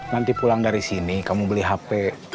nanti pulang dari sini kamu beli hp